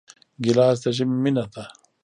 ګیلاس د ژمي مینه ده.